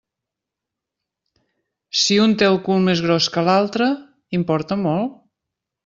Si un té el cul més gros que l'altre, importa molt?